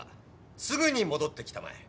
すぐに戻ってきたまえ。